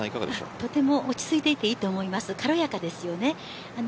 とても落ち着いていていいと思います、とても軽やかです。